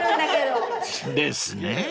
［ですね